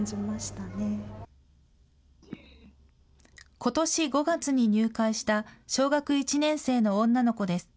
ことし５月に入会した小学１年生の女の子です。